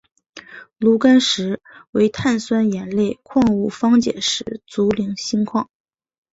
炉甘石为碳酸盐类矿物方解石族菱锌矿。